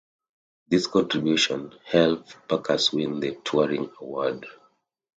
This contribution helped Backus win the Turing Award.